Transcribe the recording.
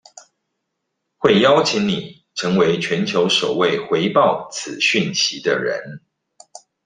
會邀請你成為全球首位回報此訊息的人